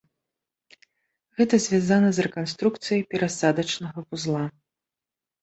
Гэта звязана з рэканструкцыяй перасадачнага вузла.